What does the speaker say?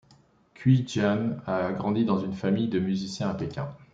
Cui Jian a grandi dans une famille de musiciens à Pékin.